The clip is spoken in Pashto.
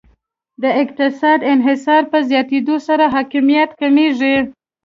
د اقتصادي انحصار په زیاتیدو سره حاکمیت کمیږي